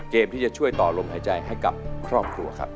เกมที่จะช่วยต่อลมหายใจให้กับครอบครัวครับ